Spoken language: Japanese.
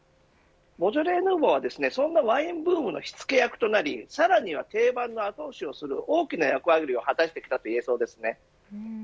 ボジョレ・ヌーボーはそんなワインブームの火付け役となり、さらには定番の後押しをする大きな役割を果たしてきたといえそうです。